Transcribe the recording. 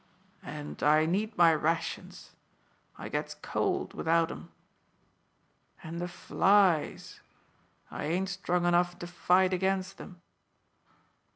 And I need my rations. I gets cold without 'em. And the flies! I ain't strong enough to fight against them."